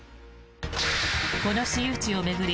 この私有地を巡り